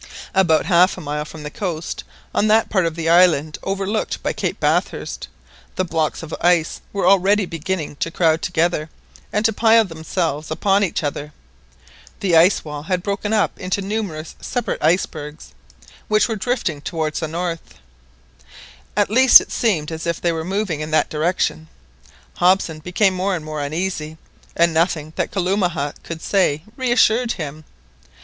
About half a mile from the coast on that part of the island overlooked by Cape Bathurst, the blocks of ice were already beginning to crowd together, and to pile themselves upon each other. The ice wall had broken up into numerous separate icebergs, which were drifting towards the north. At least it seemed as if they were moving in that direction. Hobson became more and more uneasy, and nothing that Kalumah could say reassured him.